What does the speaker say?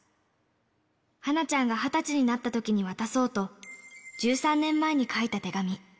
はなちゃんが２０歳になったときに渡そうと、１３年前に書いた手紙。